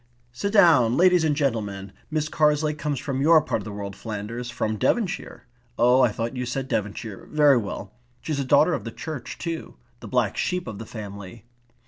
"Sit down, ladies and gentlemen. Miss Carslake comes from your part of the world, Flanders. From Devonshire. Oh, I thought you said Devonshire. Very well. She's a daughter of the church too. The black sheep of the family.